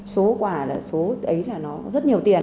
số quà là số đấy là nó rất nhiều tiền